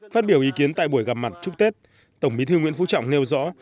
phát biểu ý kiến tại buổi gặp mặt chúc tết tổng bí thư nguyễn phú trọng nêu rõ